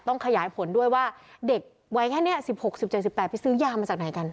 ขยายผลด้วยว่าเด็กวัยแค่นี้๑๖๑๗๑๘ไปซื้อยามาจากไหนกัน